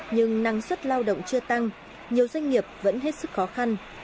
nhưng năng suất lao động chưa tăng nhiều doanh nghiệp vẫn hết sức khó khăn